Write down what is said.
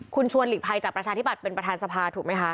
คุณชวนหลีกภัยจากประชาธิบัตย์เป็นประธานสภาถูกไหมคะ